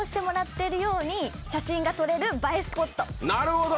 なるほど！